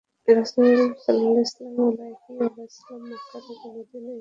রাসূল সাল্লাল্লাহু আলাইহি ওয়াসাল্লাম মক্কা থেকে মদীনায় হিজরত করেন প্রায় সাত বছর পূর্বে।